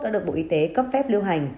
đã được bộ y tế cấp phép lưu hành